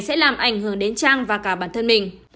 sẽ làm ảnh hưởng đến trang và cả bản thân mình